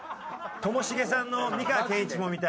ともしげの美川憲一が見たい？